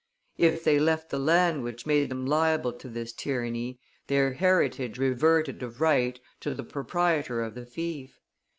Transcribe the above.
If they left the land which made them liable to this tyranny, their heritage reverted of right to the proprietor of the fief.